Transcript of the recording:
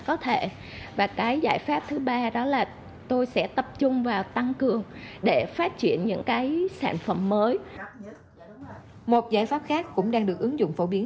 một giải pháp khác cũng đang được ứng dụng phổ biến